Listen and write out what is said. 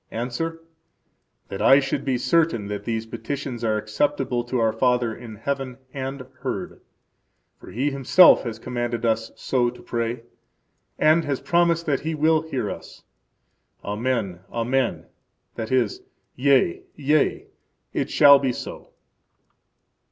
–Answer: That I should be certain that these petitions are acceptable to our Father in heaven and heard; for He Himself has commanded us so to pray, and has promised that He will hear us. Amen, Amen; that is, Yea, yea, it shall be so.